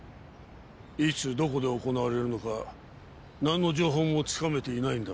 いつどこで行われるのかなんの情報もつかめていないんだろ。